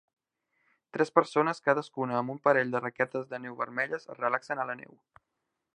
Tres persones, cadascuna amb un parell de raquetes de neu vermelles, es relaxen a la neu.